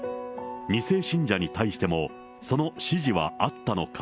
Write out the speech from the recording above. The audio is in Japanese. ２世信者に対しても、その指示はあったのか。